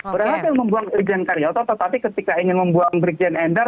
berhasil membuang irjen karyoto tetapi ketika ingin membuang brigjen endar